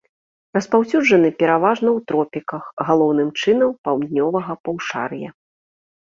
Распаўсюджаны пераважна ў тропіках, галоўным чынам, паўднёвага паўшар'я.